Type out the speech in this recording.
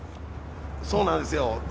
そうなんですよ。